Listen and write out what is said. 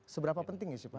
seberapa penting sih pak